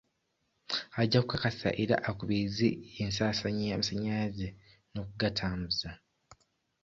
Ajja kukakasa era akubirize ensaasaanya y'amasanyalaze n'okugatambuza.